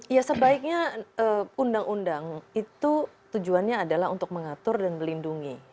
ya sebaiknya undang undang itu tujuannya adalah untuk mengatur dan melindungi